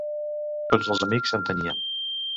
Tots els amics en tenien.